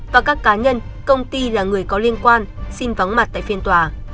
và các cá nhân công ty là người có liên quan xin vắng mặt tại phiên tòa